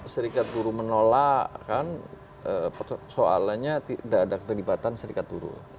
serikat guru menolak kan soalnya tidak ada keterlibatan serikat guru